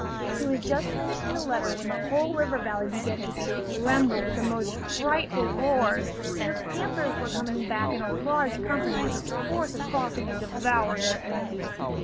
He was just finishing the letter when the whole river valley began to tremble with the most frightful roars. The panthers were coming back in a large company to force a crossing and devour their enemy.